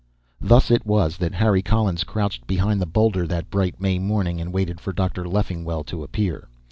Thus it was that Harry Collins crouched behind the boulder that bright May morning and waited for Dr. Leffingwell to appear.